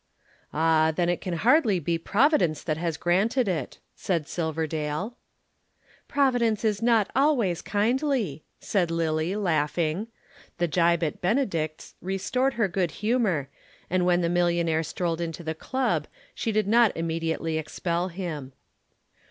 "Ah, then it can hardly be Providence that has granted it," said Silverdale. "Providence is not always kindly," said Lillie laughing. The gibe at Benedicts restored her good humor and when the millionaire strolled into the Club she did not immediately expel him.